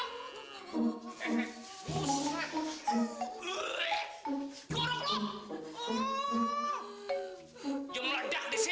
ku asik sendiri